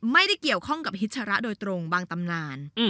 ไม่ได้เกี่ยวข้องกับฮิชระโดยตรงบางตำนาน